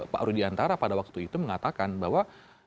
pak rudiantara pada waktu itu mengatakan bahwa